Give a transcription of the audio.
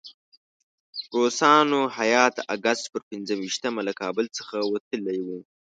روسانو هیات د اګست پر پنځه ویشتمه له کابل څخه وتلی وو.